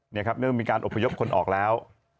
นี่ครับเริ่มมีการอบพยพคนออกแล้ว